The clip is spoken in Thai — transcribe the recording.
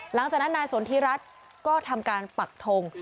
หลังจากนั้นนายสนทิรัฐก็ทำการปักทง